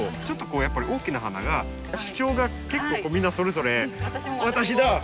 ちょっとこうやっぱり大きな花が主張が結構みんなそれぞれ「私だ」